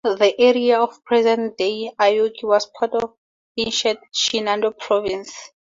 The area of present-day Aoki was part of ancient Shinano Province.